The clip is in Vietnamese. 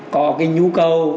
có cái nhu cầu